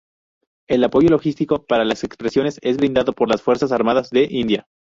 El apoyo logístico para las expediciones es brindado por las Fuerzas Armadas de India.